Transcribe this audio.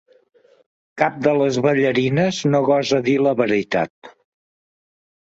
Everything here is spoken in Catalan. Cap de les ballarines no gosa dir la veritat.